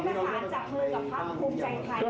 แล้วประสานจากคุณกับพระภูมิใจใคร